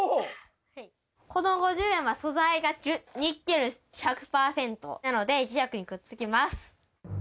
この５０円は素材がニッケル１００％、なので、磁石にくっつきます。